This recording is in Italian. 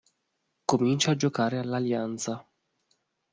Comincia a giocare all'Alianza.